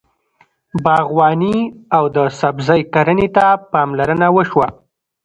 باغواني او د سبزۍ کرنې ته پاملرنه وشوه.